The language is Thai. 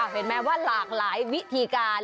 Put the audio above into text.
เห็นไหมว่าหลากหลายวิธีการ